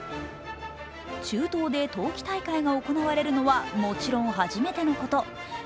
中東で冬季大会が行われるのはもちろん、初めてのこと。